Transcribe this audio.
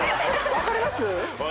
分かります。